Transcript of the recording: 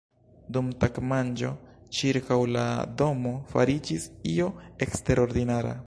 Dum tagmanĝo ĉirkaŭ la domo fariĝis io eksterordinara.